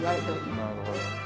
なるほど。